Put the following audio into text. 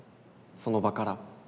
その場から。